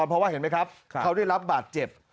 เพราะว่าเห็นไหมครับเขาได้รับบาดเจ็บ